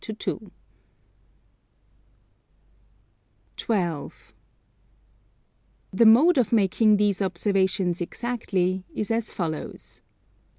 12. The mode of making these observations exactly is as follows.